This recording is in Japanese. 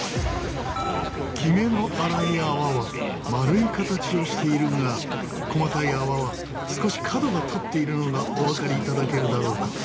きめの粗い泡は丸い形をしているが細かい泡は少し角が立っているのがお分かりいただけるだろうか？